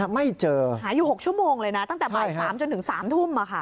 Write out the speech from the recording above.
ไม่เจอหาอยู่๖ชั่วโมงเลยนะตั้งแต่บ่าย๓จนถึง๓ทุ่ม